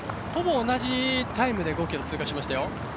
ほぼ同じタイムで５ｋｍ通過しました。